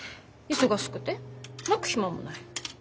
忙しくて泣く暇もない。